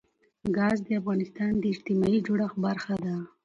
ګاز د افغانستان د اجتماعي جوړښت برخه ده.